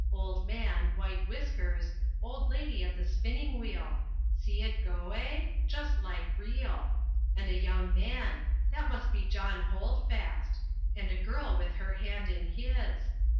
Old man white whiskers old lady at a spinning wheel see it go, eh? Just like real! And a young man that must be John Holdfast and a girl with her hand in his.